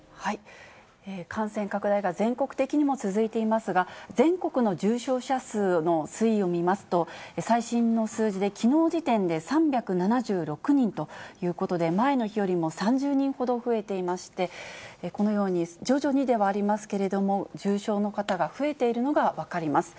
感染拡大が全国的にも続いていますが、全国の重症者数の推移を見ますと、最新の数字できのう時点で３７６人ということで、前の日よりも３０人ほど増えていまして、このように徐々にではありますけれども、重症の方が増えているのが分かります。